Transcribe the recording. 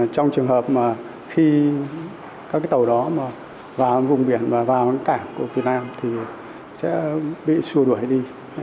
trong trường hợp khi các tàu đó vào vùng biển và vào cảnh của việt nam sẽ bị xua đuổi đi